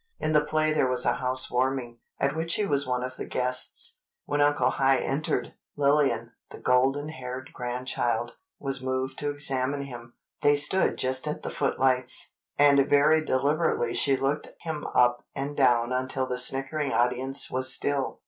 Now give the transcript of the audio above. In the play there was a house warming, at which he was one of the guests. When Uncle High entered, Lillian, the "golden haired grandchild," was moved to examine him. They stood just at the footlights, and very deliberately she looked him up and down until the snickering audience was still.